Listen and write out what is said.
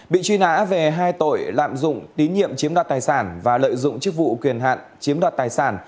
bị truy nã về hai tội lạm dụng tín nhiệm chiếm đoạt tài sản và lợi dụng chức vụ quyền hạn chiếm đoạt tài sản